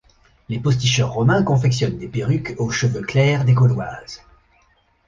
Les posticheurs romains confectionnent des perruques aux cheveux clairs des Gauloises.